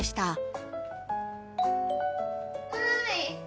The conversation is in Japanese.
はい。